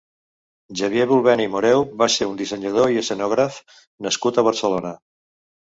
Xavier Bulbena i Moreu va ser un dissenyador i escenògraf nascut a Barcelona.